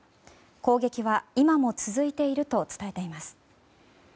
攻撃は今も続いていると伝えています。